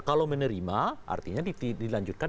kalau menerima artinya dilanjutkan